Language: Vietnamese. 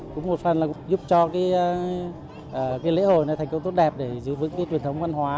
cũng một phần giúp cho lễ hội thành công tốt đẹp để giữ vững truyền thống văn hóa